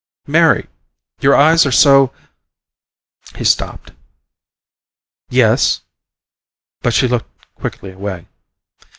"Mary! Your eyes are so " He stopped. "Yes?" But she looked quickly away.